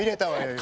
今。